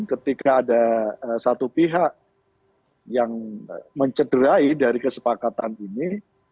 ketika ada satu pihak yang mencederai dari kesepakatan ini